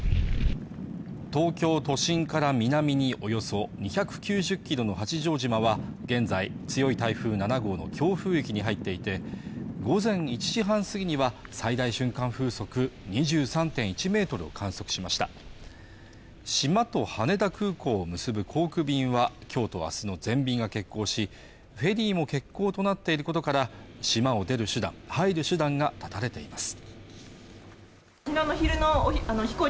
東京都心から南におよそ２９０ｋｍの八丈島は現在強い台風７号の強風域に入っていて午前１時半過ぎには最大瞬間風速２３．１メートルを観測しました島と羽田空港を結ぶ航空便はきょうとあすの全便が欠航しフェリーも欠航となっていることから島を出る手段入る手段が絶たれています